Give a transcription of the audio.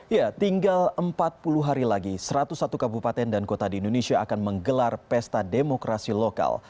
ya tinggal empat puluh hari lagi satu ratus satu kabupaten dan kota di indonesia akan menggelar pesta demokrasi lokal